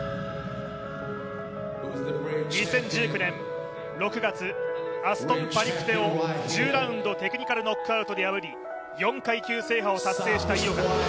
２０１９年６月、アストン・パリクテを１０ラウンドテクニカル・ノックアウトで破り４階級制覇を達成した井岡。